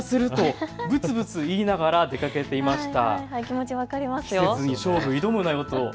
気持ち分かりますよ。